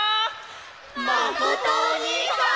まことおにいさん！